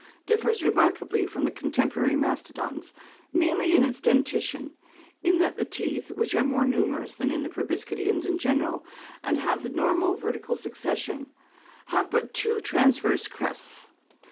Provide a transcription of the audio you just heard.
differs remarkably from the contemporary mastodons, mainly in its dentition, in that the teeth, which are more numerous than in proboscideans in general and have the normal vertical succession, have but two transverse crests.